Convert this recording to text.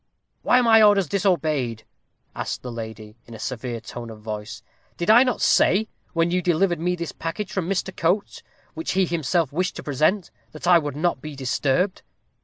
"Why are my orders disobeyed?" asked the lady, in a severe tone of voice. "Did I not say, when you delivered me this package from Mr. Coates, which he himself wished to present, that I would not be disturbed?"